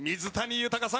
豊さん！